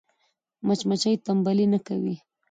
مچمچۍ تنبلي نه کوي